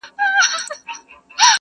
خوشحال بلله پښتانه د لندو خټو دېوال-